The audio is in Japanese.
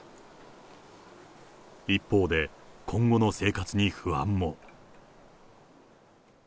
一方で、今後の生活に不安も。